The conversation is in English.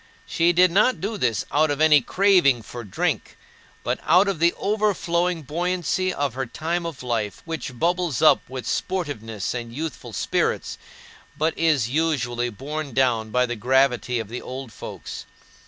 She did not do this out of any craving for drink, but out of the overflowing buoyancy of her time of life, which bubbles up with sportiveness and youthful spirits, but is usually borne down by the gravity of the old folks.